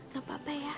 gak apa apa ya